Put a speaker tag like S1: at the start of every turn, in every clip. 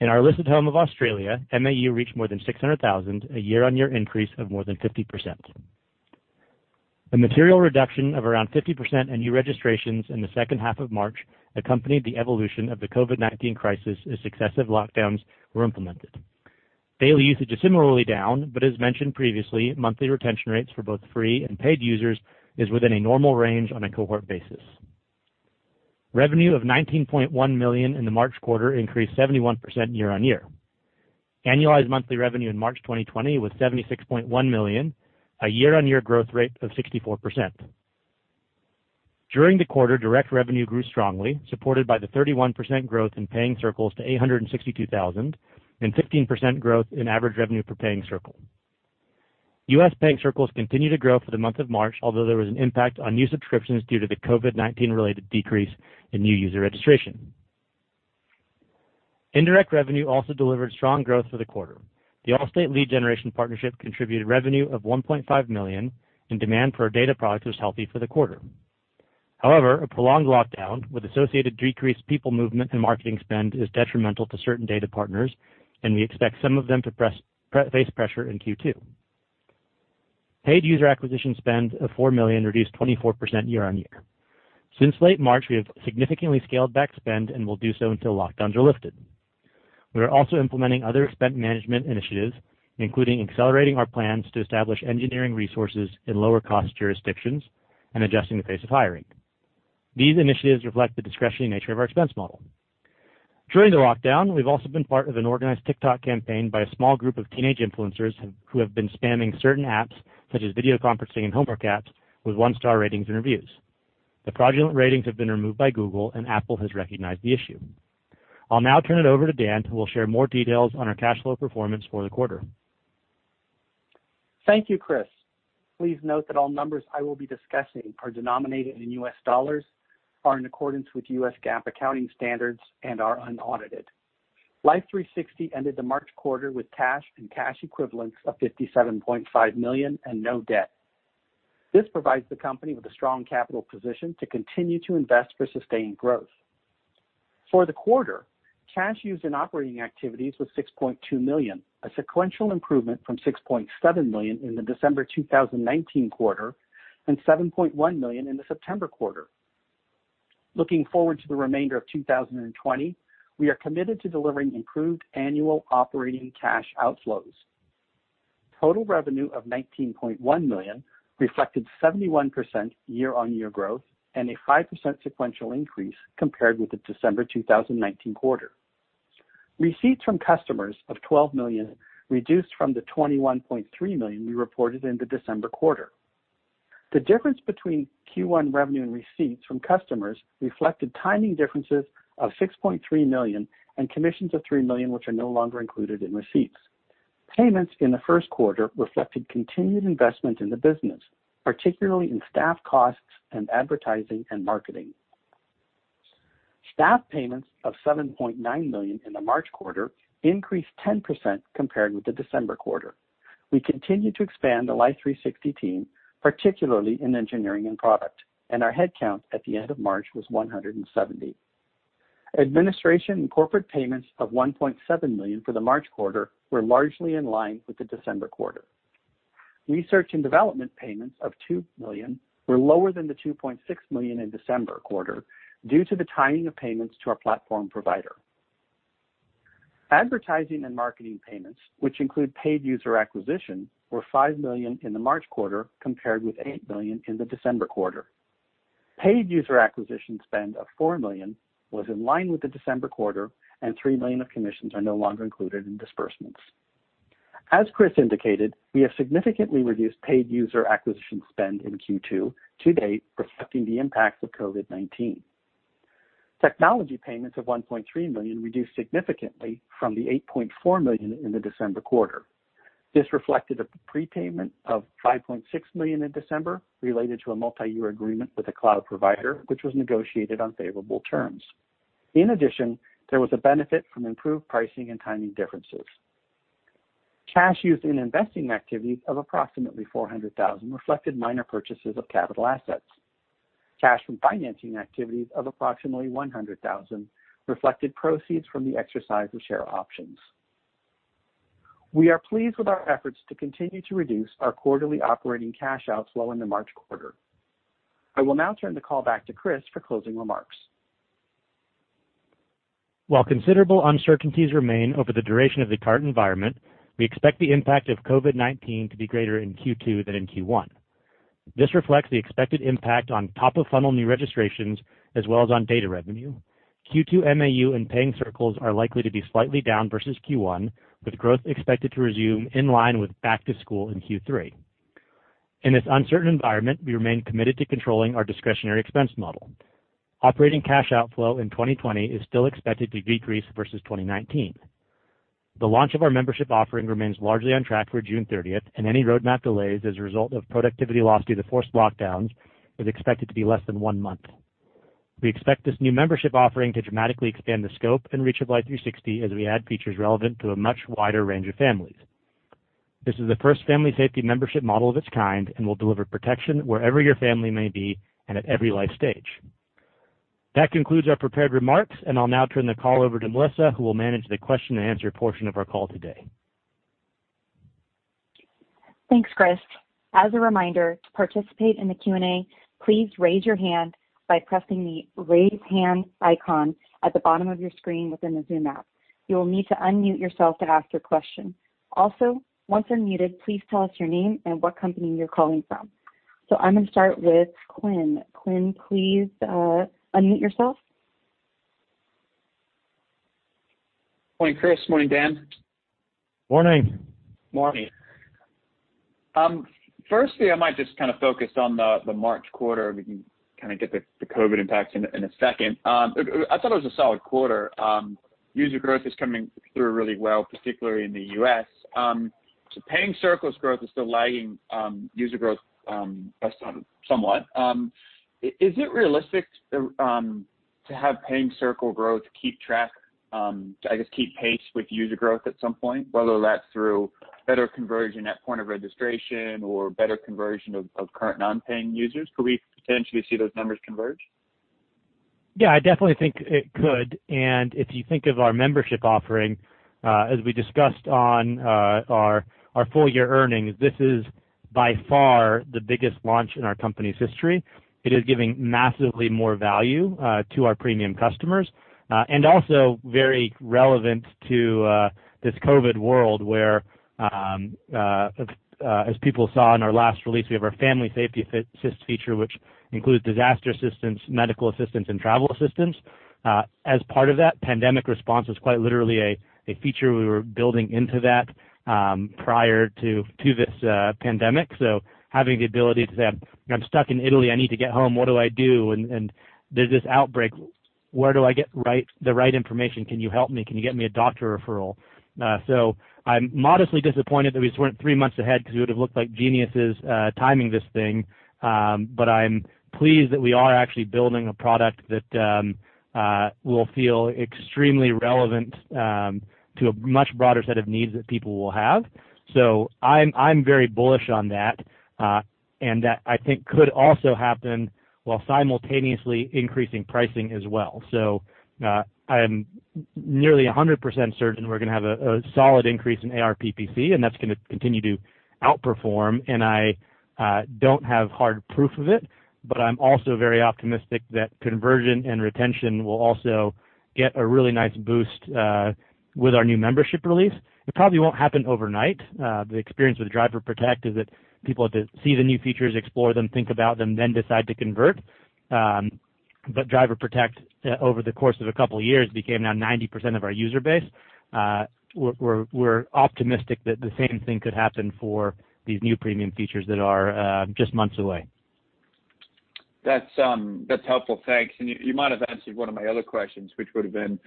S1: In our listed home of Australia, MAU reached more than 600,000, a year-on-year increase of more than 50%. A material reduction of around 50% in new registrations in the second half of March accompanied the evolution of the COVID-19 crisis as successive lockdowns were implemented. Daily usage is similarly down, as mentioned previously, monthly retention rates for both free and paid users is within a normal range on a cohort basis. Revenue of $19.1 million in the March quarter increased 71% year-on-year. Annualized monthly revenue in March 2020 was $76.1 million, a year-on-year growth rate of 64%. During the quarter, direct revenue grew strongly, supported by the 31% growth in paying circles to 862,000 and 15% growth in average revenue per paying circle. U.S. paying circles continued to grow for the month of March, although there was an impact on new subscriptions due to the COVID-19 related decrease in new user registration. Indirect revenue also delivered strong growth for the quarter. The Allstate lead generation partnership contributed revenue of $1.5 million, and demand for our data product was healthy for the quarter. However, a prolonged lockdown with associated decreased people movement and marketing spend is detrimental to certain data partners, and we expect some of them to face pressure in Q2. Paid user acquisition spend of $4 million reduced 24% year-on-year. Since late March, we have significantly scaled back spend and will do so until lockdowns are lifted. We are also implementing other spend management initiatives, including accelerating our plans to establish engineering resources in lower cost jurisdictions and adjusting the pace of hiring. These initiatives reflect the discretionary nature of our expense model. During the lockdown, we've also been part of an organized TikTok campaign by a small group of teenage influencers who have been spamming certain apps, such as video conferencing and homework apps, with one-star ratings and reviews. The fraudulent ratings have been removed by Google, and Apple has recognized the issue. I'll now turn it over to Dan, who will share more details on our cash flow performance for the quarter.
S2: Thank you, Chris. Please note that all numbers I will be discussing are denominated in U.S. dollars, are in accordance with U.S. GAAP accounting standards, and are unaudited. Life360 ended the March quarter with cash and cash equivalents of $57.5 million and no debt. This provides the company with a strong capital position to continue to invest for sustained growth. For the quarter, cash used in operating activities was $6.2 million, a sequential improvement from $6.7 million in the December 2019 quarter and $7.1 million in the September quarter. Looking forward to the remainder of 2020, we are committed to delivering improved annual operating cash outflows. Total revenue of $19.1 million reflected 71% year-on-year growth and a 5% sequential increase compared with the December 2019 quarter. Receipts from customers of $12 million reduced from the $21.3 million we reported in the December quarter. The difference between Q1 revenue and receipts from customers reflected timing differences of $6.3 million and commissions of $3 million, which are no longer included in receipts. Payments in the first quarter reflected continued investment in the business, particularly in staff costs and advertising and marketing. Staff payments of $7.9 million in the March quarter increased 10% compared with the December quarter. We continue to expand the Life360 team, particularly in engineering and product, and our head count at the end of March was 170. Administration and corporate payments of $1.7 million for the March quarter were largely in line with the December quarter. Research and development payments of $2 million were lower than the $2.6 million in December quarter due to the timing of payments to our platform provider. Advertising and marketing payments, which include paid user acquisition, were $5 million in the March quarter compared with $8 million in the December quarter. Paid user acquisition spend of $4 million was in line with the December quarter, and $3 million of commissions are no longer included in disbursements. As Chris indicated, we have significantly reduced paid user acquisition spend in Q2 to date, reflecting the impact of COVID-19. Technology payments of $1.3 million reduced significantly from the $8.4 million in the December quarter. This reflected a prepayment of $5.6 million in December related to a multi-year agreement with a cloud provider, which was negotiated on favorable terms. In addition, there was a benefit from improved pricing and timing differences. Cash used in investing activities of approximately $400,000 reflected minor purchases of capital assets. Cash from financing activities of approximately $100,000 reflected proceeds from the exercise of share options. We are pleased with our efforts to continue to reduce our quarterly operating cash outflow in the March quarter. I will now turn the call back to Chris for closing remarks.
S1: While considerable uncertainties remain over the duration of the current environment, we expect the impact of COVID-19 to be greater in Q2 than in Q1. This reflects the expected impact on top-of-funnel new registrations as well as on data revenue. Q2 MAU and paying circles are likely to be slightly down versus Q1, with growth expected to resume in line with back to school in Q3. In this uncertain environment, we remain committed to controlling our discretionary expense model. Operating cash outflow in 2020 is still expected to decrease versus 2019. The launch of our membership offering remains largely on track for June 30th, and any roadmap delays as a result of productivity loss due to forced lockdowns is expected to be less than one month. We expect this new membership offering to dramatically expand the scope and reach of Life360 as we add features relevant to a much wider range of families. This is the first family safety membership model of its kind and will deliver protection wherever your family may be and at every life stage. That concludes our prepared remarks, and I'll now turn the call over to Melissa, who will manage the question and answer portion of our call today.
S3: Thanks, Chris. As a reminder, to participate in the Q&A, please raise your hand by pressing the raise hand icon at the bottom of your screen within the Zoom app. You will need to unmute yourself to ask your question. Once unmuted, please tell us your name and what company you're calling from. I'm going to start with Quinn. Quinn, please unmute yourself.
S4: Morning, Chris. Morning, Dan.
S1: Morning.
S4: Morning. Firstly, I might just focus on the March quarter. We can get the COVID impact in a second. I thought it was a solid quarter. User growth is coming through really well, particularly in the U.S. Paying circles growth is still lagging user growth based on somewhat. Is it realistic to have paying circle growth, I guess, keep pace with user growth at some point, whether that's through better conversion at point of registration or better conversion of current non-paying users? Could we potentially see those numbers converge?
S1: Yeah, I definitely think it could. If you think of our membership offering, as we discussed on our full year earnings, this is by far the biggest launch in our company's history. It is giving massively more value to our premium customers. Also very relevant to this COVID world where, as people saw in our last release, we have our Family Safety Assist feature, which includes disaster assistance, medical assistance, and travel assistance. As part of that, pandemic response was quite literally a feature we were building into that prior to this pandemic. Having the ability to say, I'm stuck in Italy, I need to get home. What do I do? There's this outbreak. Where do I get the right information? Can you help me? Can you get me a doctor referral? I'm modestly disappointed that we weren't three months ahead because we would've looked like geniuses timing this thing. I'm pleased that we are actually building a product that will feel extremely relevant to a much broader set of needs that people will have. I'm very bullish on that. That could also happen while simultaneously increasing pricing as well. I am nearly 100% certain we're going to have a solid increase in ARPPC, and that's going to continue to outperform. I don't have hard proof of it, but I'm also very optimistic that conversion and retention will also get a really nice boost with our new membership release. It probably won't happen overnight. The experience with Driver Protect is that people have to see the new features, explore them, think about them, then decide to convert. Driver Protect, over the course of a couple of years, became now 90% of our user base. We're optimistic that the same thing could happen for these new premium features that are just months away.
S4: That's helpful. Thanks. You might have answered one of my other questions, which would've been,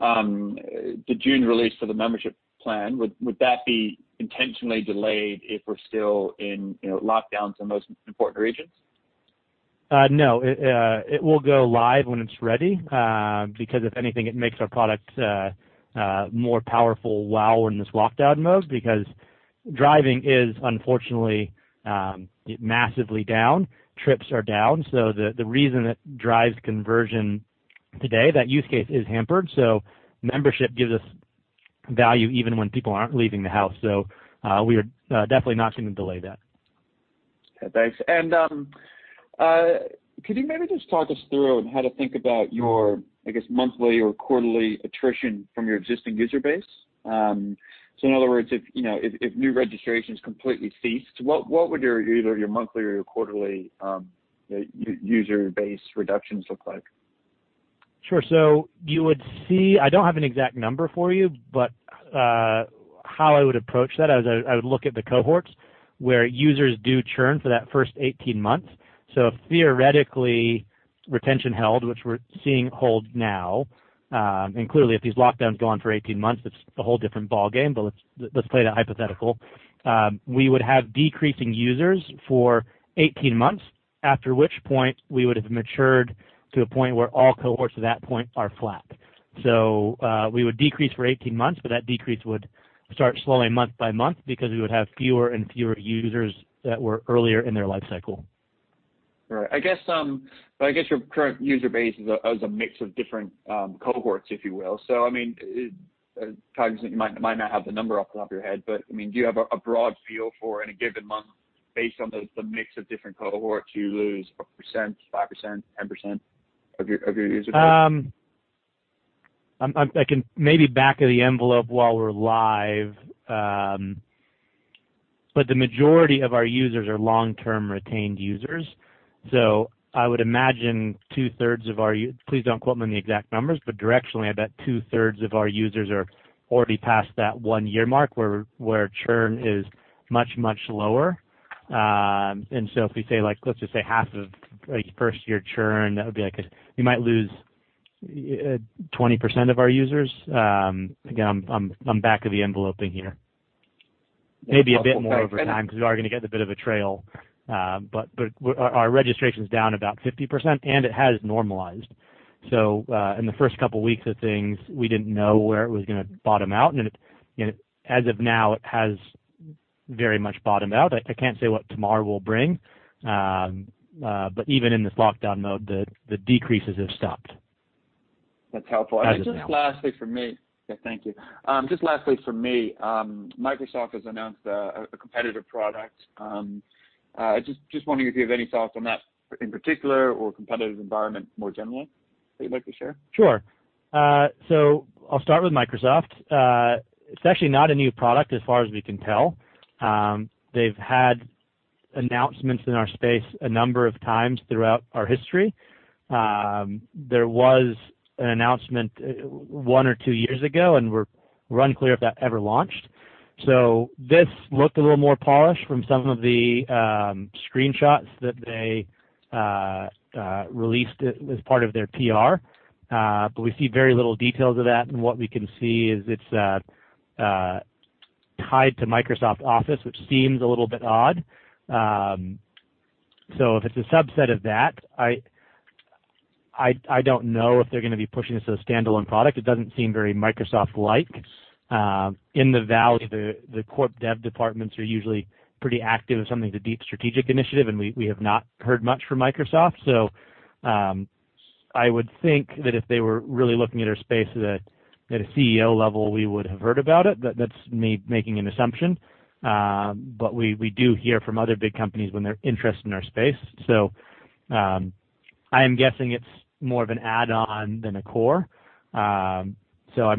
S4: the June release for the membership plan, would that be intentionally delayed if we're still in lockdowns in most important regions?
S1: No. It will go live when it's ready. If anything, it makes our product more powerful while we're in this lockdown mode, because driving is unfortunately massively down. Trips are down. The reason that drives conversion today, that use case is hampered. Membership gives us value even when people aren't leaving the house. We are definitely not going to delay that.
S4: Okay, thanks. Could you maybe just talk us through on how to think about your monthly or quarterly attrition from your existing user base? In other words, if new registrations completely ceased, what would your either monthly or your quarterly user base reductions look like?
S1: Sure. You would see I don't have an exact number for you, but how I would approach that is I would look at the cohorts where users do churn for that first 18 months. Theoretically, retention held, which we're seeing hold now. Clearly, if these lockdowns go on for 18 months, it's a whole different ballgame, but let's play the hypothetical. We would have decreasing users for 18 months, after which point we would've matured to a point where all cohorts at that point are flat. We would decrease for 18 months, but that decrease would start slowing month by month because we would have fewer and fewer users that were earlier in their life cycle.
S4: Right. I guess your current user base is a mix of different cohorts, if you will. You might not have the number off the top of your head, but do you have a broad feel for any given month based on the mix of different cohorts you lose 1%, 5%, 10% of your user base?
S1: I can maybe back of the envelope while we're live. The majority of our users are long-term retained users. I would imagine please don't quote me on the exact numbers, but directionally, I bet two-thirds of our users are already past that one-year mark where churn is much lower. If we say, let's just say half of first-year churn, that would be like you might lose 20% of our users. Again, I'm back-of-the-enveloping here.
S4: That's helpful. Thanks.
S1: Maybe a bit more over time because we are going to get a bit of a trail. Our registration's down about 50%, and it has normalized. In the first couple of weeks of things, we didn't know where it was going to bottom out. As of now, it has very much bottomed out. I can't say what tomorrow will bring. Even in this lockdown mode, the decreases have stopped.
S4: That's helpful.
S1: As of now.
S4: Just lastly from me. Yeah, thank you. Just lastly from me, Microsoft has announced a competitive product. Just wondering if you have any thoughts on that in particular, or competitive environment more generally that you'd like to share?
S1: Sure. I'll start with Microsoft. It's actually not a new product as far as we can tell. They've had announcements in our space a number of times throughout our history. There was an announcement one or two years ago, and we're unclear if that ever launched. This looked a little more polished from some of the screenshots that they released as part of their PR. We see very little details of that. What we can see is it's tied to Microsoft Office, which seems a little bit odd. If it's a subset of that, I don't know if they're going to be pushing this as a standalone product. It doesn't seem very Microsoft-like. In the valley, the corp dev departments are usually pretty active if something's a deep strategic initiative, and we have not heard much from Microsoft. I would think that if they were really looking at our space at a CEO level, we would have heard about it. That's me making an assumption. We do hear from other big companies when they're interested in our space. I am guessing it's more of an add-on than a core. I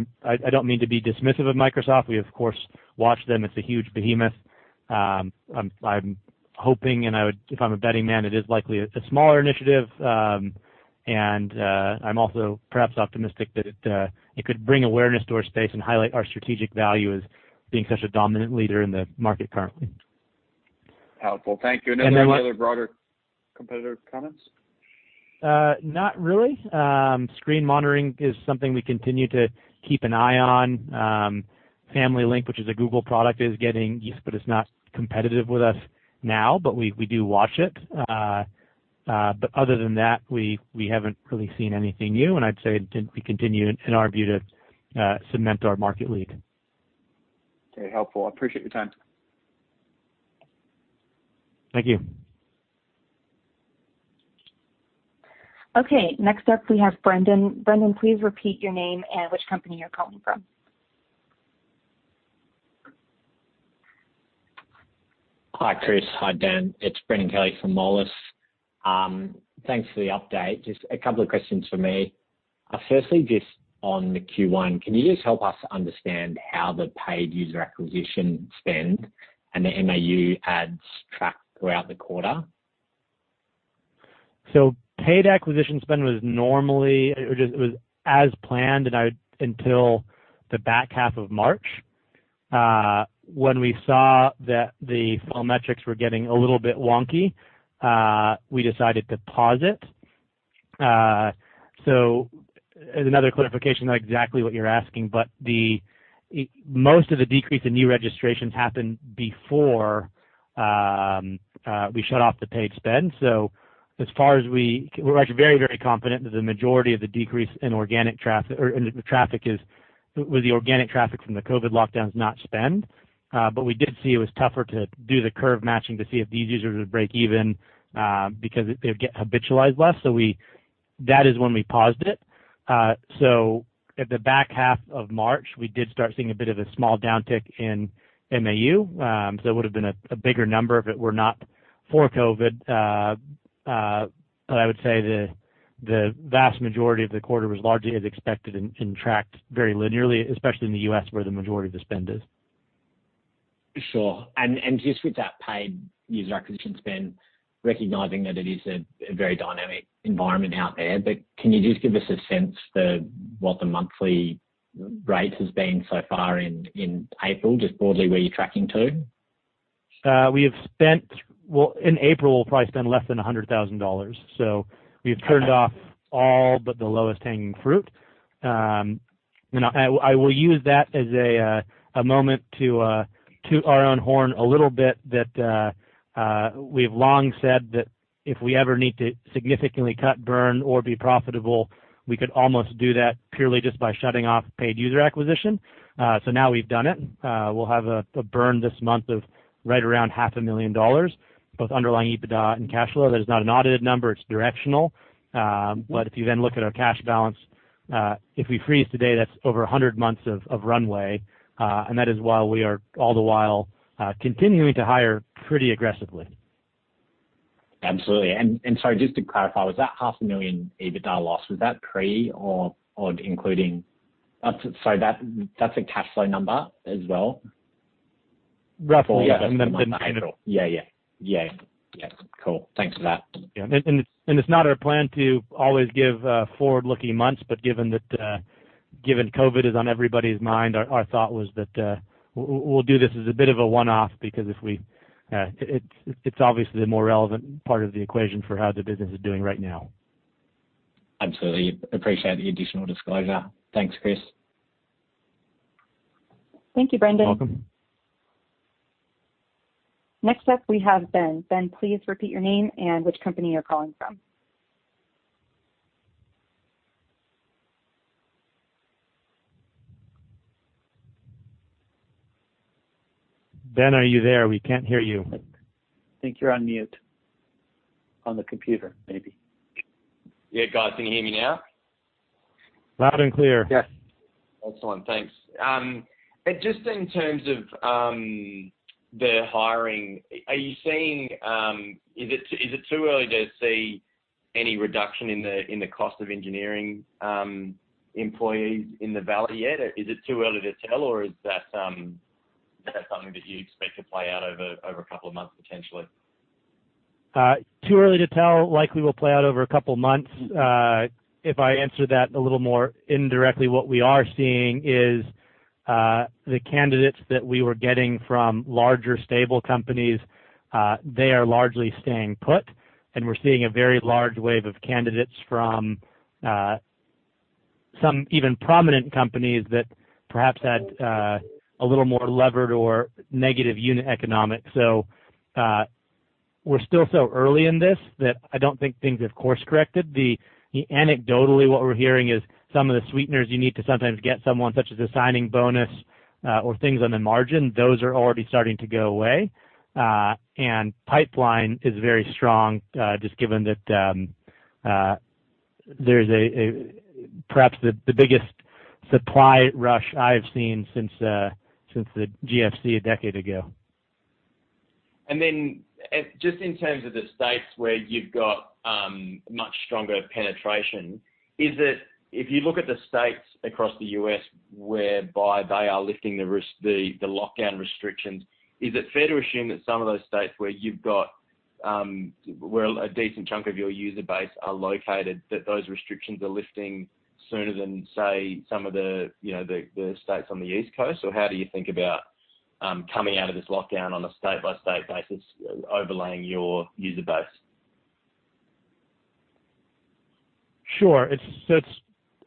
S1: don't mean to be dismissive of Microsoft. We, of course, watch them. It's a huge behemoth. I'm hoping, and if I'm a betting man, it is likely a smaller initiative. I'm also perhaps optimistic that it could bring awareness to our space and highlight our strategic value as being such a dominant leader in the market currently.
S4: Helpful. Thank you.
S1: What-
S4: Any other broader competitor comments?
S1: Not really. Screen monitoring is something we continue to keep an eye on. Family Link, which is a Google product, it's not competitive with us now, but we do watch it. Other than that, we haven't really seen anything new, and I'd say we continue in our view to cement our market lead.
S4: Very helpful. I appreciate your time.
S1: Thank you.
S3: Okay, next up we have Brendon. Brendon, please repeat your name and which company you're calling from.
S5: Hi, Chris. Hi, Dan. It's Brendon Kelly from Moelis. Thanks for the update. Just a couple of questions from me. Firstly, just on the Q1, can you just help us understand how the paid user acquisition spend and the MAU ads tracked throughout the quarter?
S1: Paid acquisition spend was normally as planned until the back half of March. When we saw that the funnel metrics were getting a little bit wonky, we decided to pause it. As another clarification, not exactly what you're asking, but most of the decrease in new registrations happened before we shut off the paid spend. We're actually very, very confident that the majority of the decrease in organic traffic was the organic traffic from the COVID lockdowns, not spend. We did see it was tougher to do the curve matching to see if these users would break even, because they would get habitualized less. That is when we paused it. At the back half of March, we did start seeing a bit of a small downtick in MAU. It would've been a bigger number if it were not for COVID. I would say the vast majority of the quarter was largely as expected and tracked very linearly, especially in the U.S., where the majority of the spend is.
S5: Sure. Just with that paid user acquisition spend, recognizing that it is a very dynamic environment out there, but can you just give us a sense what the monthly rate has been so far in April, just broadly where you're tracking to?
S1: We have spent, well in April, we'll probably spend less than $100,000. We've turned off all but the lowest hanging fruit. I will use that as a moment to toot our own horn a little bit, that we've long said that if we ever need to significantly cut burn or be profitable, we could almost do that purely just by shutting off paid user acquisition. Now we've done it. We'll have a burn this month of right around $500,000, both underlying EBITDA and cash flow. That is not an audited number, it's directional. If you look at our cash balance, if we freeze today, that's over 100 months of runway. That is while we are all the while, continuing to hire pretty aggressively.
S5: Absolutely. Sorry, just to clarify, was that $500,000 EBITDA loss pre or including? Sorry, that's a cash flow number as well?
S1: Roughly, yeah.
S5: For the month of April. Yeah. Cool. Thanks for that.
S1: Yeah. It's not our plan to always give forward-looking months, but given COVID is on everybody's mind, our thought was that we'll do this as a bit of a one-off because it's obviously the more relevant part of the equation for how the business is doing right now.
S5: Absolutely. Appreciate the additional disclosure. Thanks, Chris.
S3: Thank you, Brendon.
S1: Welcome.
S3: Next up we have Ben. Ben, please repeat your name and which company you're calling from.
S1: Ben, are you there? We can't hear you.
S2: I think you're on mute on the computer, maybe.
S6: Yeah, guys, can you hear me now?
S1: Loud and clear.
S2: Yes.
S6: Excellent. Thanks. Just in terms of the hiring, is it too early to see any reduction in the cost of engineering employees in the valley yet? Is it too early to tell, or is that something that you expect to play out over a couple of months, potentially?
S1: Too early to tell. Likely will play out over a couple of months. If I answer that a little more indirectly, what we are seeing is the candidates that we were getting from larger, stable companies, they are largely staying put, and we're seeing a very large wave of candidates from some even prominent companies that perhaps had a little more levered or negative unit economics. We're still so early in this that I don't think things have course-corrected. Anecdotally, what we're hearing is some of the sweeteners you need to sometimes get someone, such as a signing bonus or things on the margin, those are already starting to go away. Pipeline is very strong, just given that there's perhaps the biggest supply rush I've seen since the GFC a decade ago.
S6: Just in terms of the states where you've got much stronger penetration, if you look at the states across the U.S. whereby they are lifting the lockdown restrictions, is it fair to assume that some of those states where a decent chunk of your user base are located, that those restrictions are lifting sooner than, say, some of the states on the East Coast? How do you think about coming out of this lockdown on a state-by-state basis, overlaying your user base?
S1: Sure. It's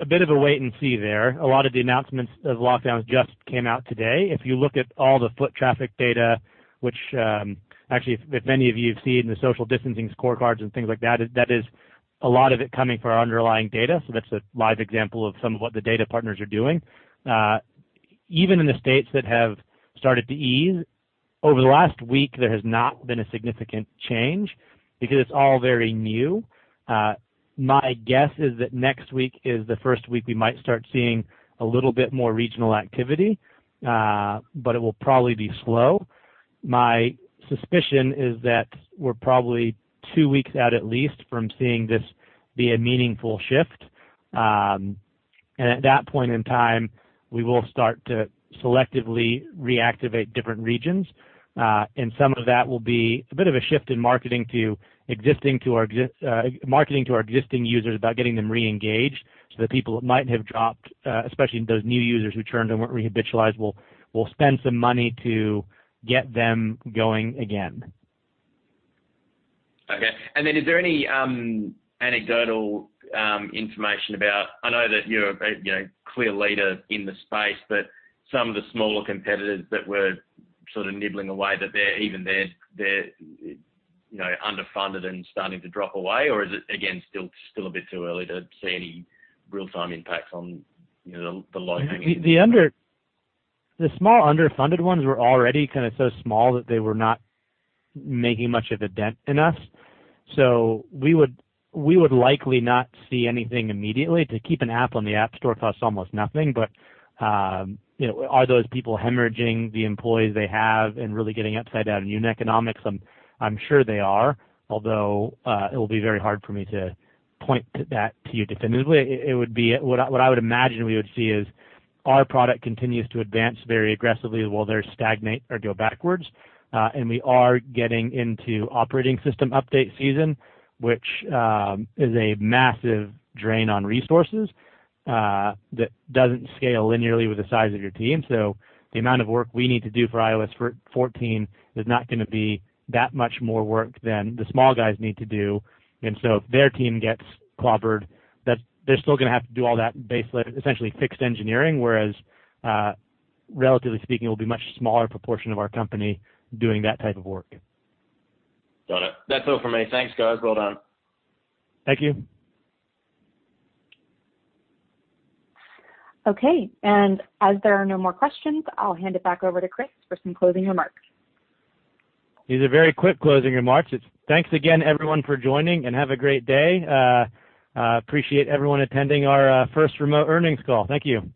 S1: a bit of a wait and see there. A lot of the announcements of lockdowns just came out today. If you look at all the foot traffic data, which actually, if any of you have seen the social distancing scorecards and things like that is a lot of it coming from our underlying data. That's a live example of some of what the data partners are doing. Even in the states that have started to ease, over the last week, there has not been a significant change because it's all very new. My guess is that next week is the first week we might start seeing a little bit more regional activity, but it will probably be slow. My suspicion is that we're probably two weeks out at least from seeing this be a meaningful shift. At that point in time, we will start to selectively reactivate different regions. Some of that will be a bit of a shift in marketing to our existing users about getting them reengaged, so the people that might have dropped, especially those new users who churned and weren't rehabitualized, we'll spend some money to get them going again.
S6: Okay. Is there any anecdotal information about, I know that you're a clear leader in the space, but some of the smaller competitors that were sort of nibbling away, that even they're underfunded and starting to drop away, or is it, again, still a bit too early to see any real-time impacts on the low hanging?
S1: The small underfunded ones were already kind of so small that they were not making much of a dent in us. We would likely not see anything immediately. To keep an app on the App Store costs almost nothing. Are those people hemorrhaging the employees they have and really getting upside down in unit economics? I'm sure they are, although, it will be very hard for me to point that to you definitively. What I would imagine we would see is our product continues to advance very aggressively while they're stagnate or go backwards. We are getting into operating system update season, which is a massive drain on resources, that doesn't scale linearly with the size of your team. The amount of work we need to do for iOS 14 is not going to be that much more work than the small guys need to do. If their team gets clobbered, they're still going to have to do all that essentially fixed engineering, whereas, relatively speaking, it will be much smaller proportion of our company doing that type of work.
S6: Got it. That's all from me. Thanks, guys. Well done.
S1: Thank you.
S3: Okay. As there are no more questions, I'll hand it back over to Chris for some closing remarks.
S1: These are very quick closing remarks. Thanks again, everyone, for joining, and have a great day. Appreciate everyone attending our first remote earnings call. Thank you.